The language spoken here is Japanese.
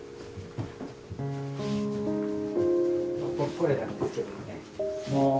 これなんですけどもね。